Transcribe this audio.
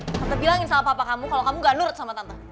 seperti bilangin sama papa kamu kalau kamu gak nurut sama tante